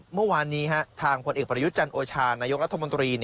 เมื่อวานนี้ทางผลเอกประยุทธ์จันโอชานายกรัฐมนตรี